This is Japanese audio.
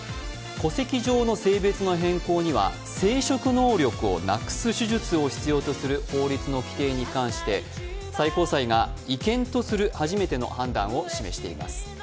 戸籍上の性別の変更には生殖能力をなくす手術を必要とする法律の規定に関して最高裁が違憲とする初めての判断を示しています。